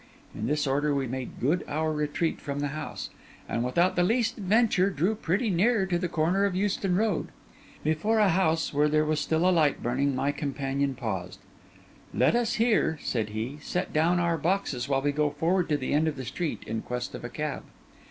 In this order we made good our retreat from the house, and without the least adventure, drew pretty near to the corner of Euston Road. Before a house, where there was a light still burning, my companion paused. 'Let us here,' said he, 'set down our boxes, while we go forward to the end of the street in quest of a cab.